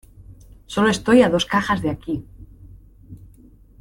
Sólo estoy a dos cajas de aquí.